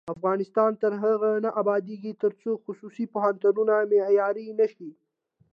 افغانستان تر هغو نه ابادیږي، ترڅو خصوصي پوهنتونونه معیاري نشي.